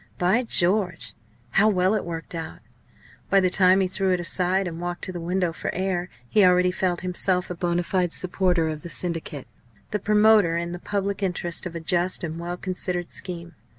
By George! how well it worked out! By the time he threw it aside, and walked to the window for air, he already felt himself a bonâ fide supporter of the Syndicate the promoter in the public interest of a just and well considered scheme.